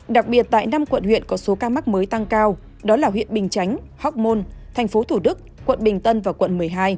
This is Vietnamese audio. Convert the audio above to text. đặc biệt tại năm quận huyện có số ca mắc mới tăng cao đó là huyện bình chánh hóc môn tp thủ đức quận bình tân và quận một mươi hai